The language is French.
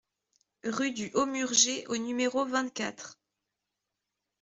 Rue du Haut Murger au numéro vingt-quatre